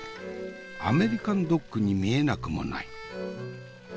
アメリカンドッグに見えなくもない。